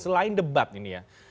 selain debat ini ya